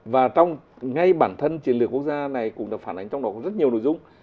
và trong ngay bản thân chiến lược quốc gia này cũng đã phản ánh trong đó có rất nhiều nội dung